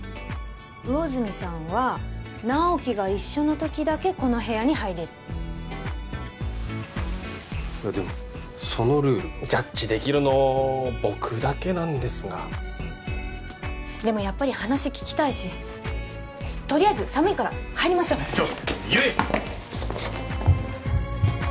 魚住さんは直木が一緒の時だけこの部屋に入れるでもそのルールジャッジできるの僕だけなんですがでもやっぱり話聞きたいしとりあえず寒いから入りましょうちょっ悠依！